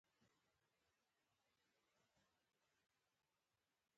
چې شیروډ فرینکلین میکسویل د دوی ماشوم دی